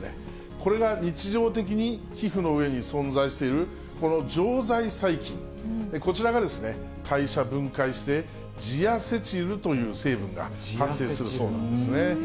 これが日常的に皮膚の上に存在している、この常在細菌、こちらがですね、代謝分解してジアセチルという成分が発生するそうなんですね。